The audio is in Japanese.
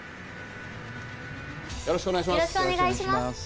よろしくお願いします。